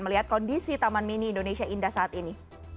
melihat kondisi taman mini indonesia indah saat ini